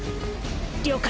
了解。